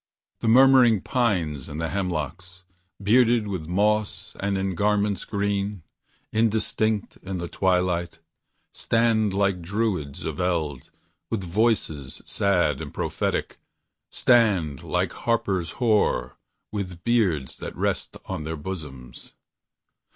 The murmuring pines and the hemlocks, Bearded with moss, and in garments green, indistinct in the twilight, Stand like Druids of eld, with voices sad and prophetic, Stand like harpers hoar, with beards that rest on their bosoms.